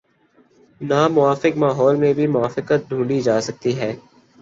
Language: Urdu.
ناموافق ماحول میں بھی موافقت ڈھونڈی جا سکتی ہے۔